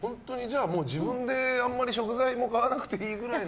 自分であんまり食材も買わなくていいくらいな。